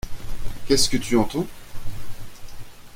Qu’est-ce que tu entends ?